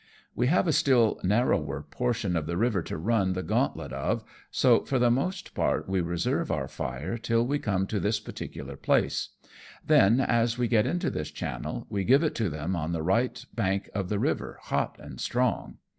We have' a still narrower portion of the river to run the gauntlet of, so for the most part we reserve our fire till we come to this particular place ; then, as we get into this channel, we give it to them on the right bank of the river hot and strong.